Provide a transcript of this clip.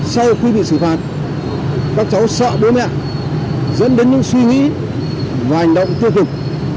sau khi bị xử phạt các cháu sợ bố mẹ dẫn đến những suy nghĩ và hành động tiêu cực